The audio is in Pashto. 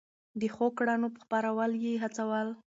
د ښو کړنو خپرول يې هڅول.